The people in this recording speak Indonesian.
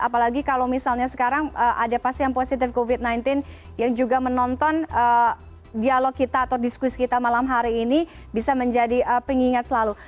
apalagi kalau misalnya sekarang ada pasien positif covid sembilan belas yang juga menonton dialog kita atau diskusi kita malam hari ini bisa menjadi pengingat selalu